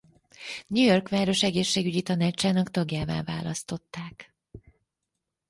New York város egészségügyi tanácsának tagjává választották.